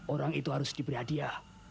orang itu harus diberi hadiah